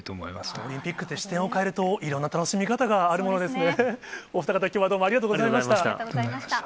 オリンピックって、視点を変えると、いろんな楽しみ方があるものですね。